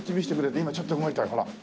今ちょっと動いたよほら。